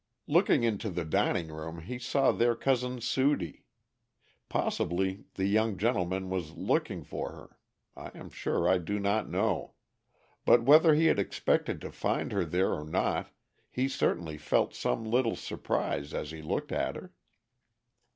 Looking into the dining room he saw there Cousin Sudie. Possibly the young gentleman was looking for her. I am sure I do not know. But whether he had expected to find her there or not, he certainly felt some little surprise as he looked at her.